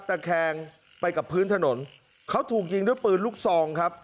ตะแคงไปกับพื้นถนนเขาถูกยิงด้วยปืนลูกซองครับ